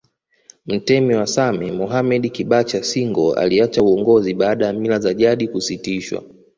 Mtemi wa Same Mohammedi Kibacha Singo aliacha uongozi baada ya mila za jadi kusitishwa